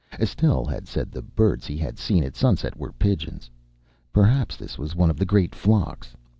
Estelle had said the birds he had seen at sunset were pigeons. Perhaps this was one of the great flocks.